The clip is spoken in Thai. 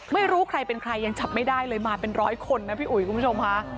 ไม่รู้ใครเป็นใครยังจับไม่ได้เลยมาเป็นร้อยคนนะพี่อุ๋ยคุณผู้ชมค่ะ